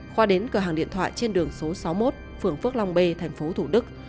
khóa đến cửa hàng điện thoại trên đường số sáu mươi một phường phước long b tp thủ đức